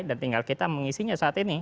dan tinggal kita mengisinya saat ini